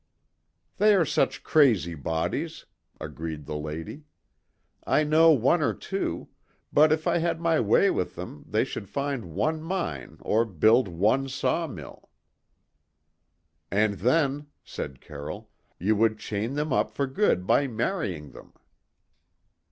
"There are such crazy bodies," agreed the lady. "I know one or two, but if I had my way with them they should find one mine, or build one saw mill." "And then," said Carroll, "you would chain them up for good by marrying them."